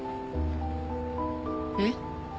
えっ？